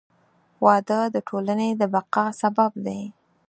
• واده د ټولنې د بقا سبب دی.